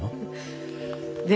で？